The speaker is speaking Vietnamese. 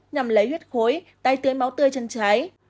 nhằm lấy huyết khối tai tưới máu tươi chân trái